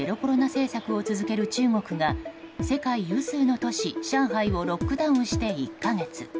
対策を続ける中国が世界有数の都市上海をロックダウンして１か月。